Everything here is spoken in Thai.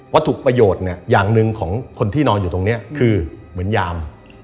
ถูกประโยชน์เนี่ยอย่างหนึ่งของคนที่นอนอยู่ตรงนี้คือเหมือนยาม